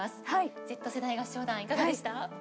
Ｚ世代合唱団いかがでした？